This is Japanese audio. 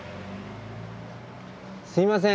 すいません。